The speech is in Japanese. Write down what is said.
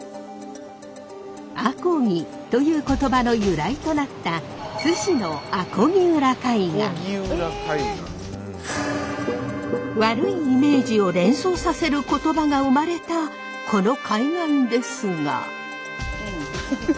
あこぎという言葉の由来となった津市の悪いイメージを連想させる言葉が生まれたこの海岸ですが。